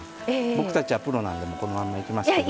僕たちはプロなんでもうこのまんまいきますけど。